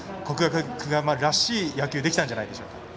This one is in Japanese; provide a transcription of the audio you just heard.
国学院久我山らしい野球ができたんじゃないでしょうか？